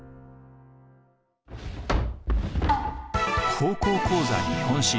「高校講座日本史」。